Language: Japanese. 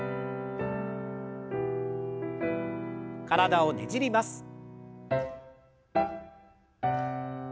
体をねじります。